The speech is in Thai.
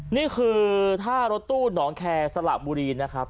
นี่คือท่ารถตู้หนองแคร์สละบุรีนะครับ